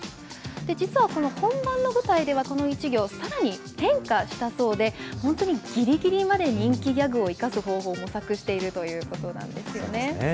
実はこの本番の舞台ではこの１行、さらに変化したそうで、本当にぎりぎりまで人気ギャグを生かす方法を模索しているということなんですよね。